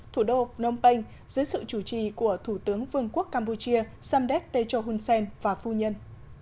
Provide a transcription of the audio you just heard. thủ đô phnom penh dưới sự chủ trì của thủ tướng vương quốc campuchia samdek techo hun sen và phu nhân